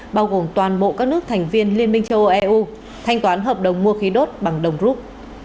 bao gồm toàn bộ các nước thành viên liên minh châu âu eu thanh toán hợp đồng mua khí đốt bằng đồng rút